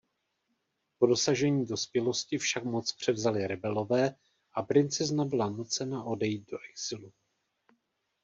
Po dosažení dospělosti však moc převzali rebelové a princezna byla nucena odejít do exilu.